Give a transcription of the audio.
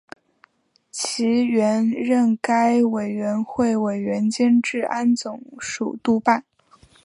齐燮元任该委员会委员兼治安总署督办。